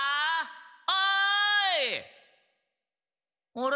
あれ？